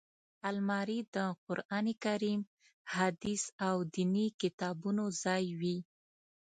الماري د قران کریم، حدیث او ديني کتابونو ځای وي